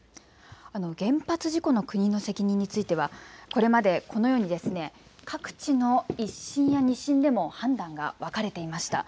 原発事故の国の責任についてはこれまでこのように各地の１審や２審でも判断が分かれていました。